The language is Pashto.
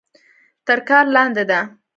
تر کار لاندې ده.